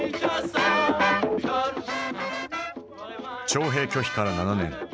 徴兵拒否から７年。